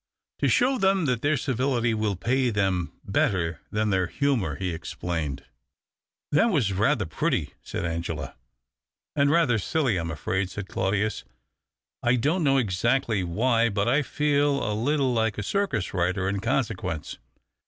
"To show them that their civility will pay ^hem better than their humour," he explained. " That was rather pretty," said Angela, " And rather silly, I'm afraid," said Claudius. ' I don't know exactly why, but I feel a little ike a circus rider in consequence.